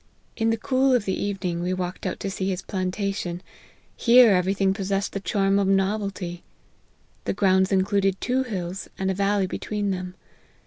In the cool of the evening, we walked out LIFE 01? HENRY BtAHTYN. 59 to see his pla, ntation ; here every thing possessed the charm of novelty. The grounds included two hills, and a valley between them.